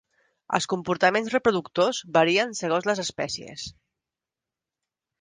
Els comportaments reproductors varien segons les espècies.